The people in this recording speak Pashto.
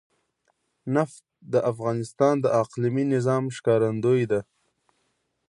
نفت د افغانستان د اقلیمي نظام ښکارندوی ده.